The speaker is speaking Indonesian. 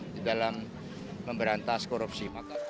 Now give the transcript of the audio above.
di dalam memberantas korupsi